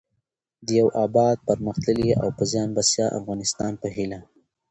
د يو اباد٬پرمختللي او په ځان بسيا افغانستان په هيله